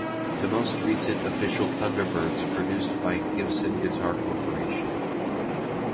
The most recent official Thunderbirds produced by Gibson Guitar Corporation.